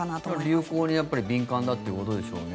流行に敏感だということでしょうね。